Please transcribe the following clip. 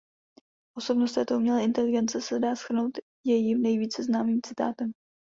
Osobnost této umělé inteligence se dá shrnout jejím nejvíce známým citátem.